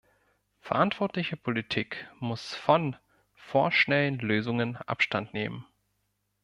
Verantwortliche Politik muss von vorschnellen Lösungen Abstand nehmen.